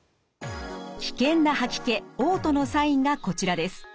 危険な吐き気・おう吐のサインがこちらです。